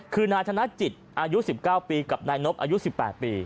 คือนายธนจิตอายุ๑๙ปีกับนายนบอายุ๑๘ปี